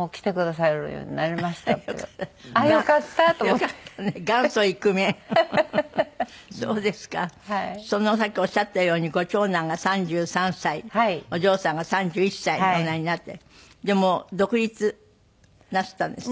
さっきおっしゃったようにご長男が３３歳お嬢さんが３１歳におなりになってもう独立なすったんですって？